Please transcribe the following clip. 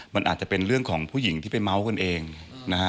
มันอาจจะเป็นเรื่องของผู้หญิงที่ไปเมาส์กันเองนะฮะ